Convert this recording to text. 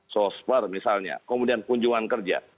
sosper misalnya kemudian kunjungan kerja